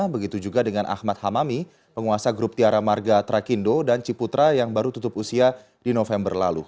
begitu juga dengan ahmad hamami penguasa grup tiara marga trakindo dan ciputra yang baru tutup usia di november lalu